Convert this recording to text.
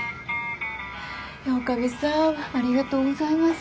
おかみさんありがとうございます。